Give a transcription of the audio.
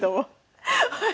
はい。